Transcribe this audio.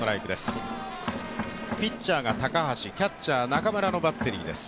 ピッチャーが高橋、キャッチャー・中村のバッテリーです。